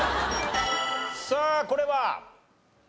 さあこれは？